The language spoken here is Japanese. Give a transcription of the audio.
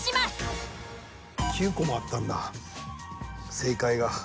９個もあったんだ正解が。